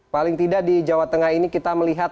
paling tidak di jawa tengah ini kita melihat